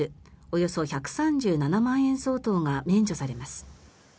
およそ１３７万円相当が免除されます。